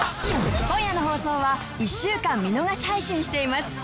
今夜の放送は１週間見逃し配信しています